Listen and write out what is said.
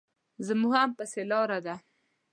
زموږ هم پسې لار ده.